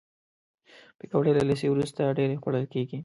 پکورې له لیسې وروسته ډېرې خوړل کېږي